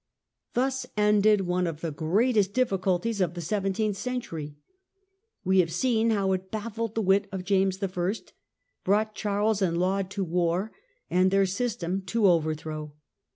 Thus ended one of the greatest difficulties of the seventeenth century. We have seen how it baffled the wit of James I., brought Charles and Laud to war, and their system to overthrow.